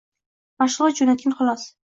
mahsulot jo‘natgan, xolos.